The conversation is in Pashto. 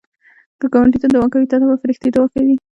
که ګاونډي ته دعا کوې، تا ته به فرښتې دعا کوي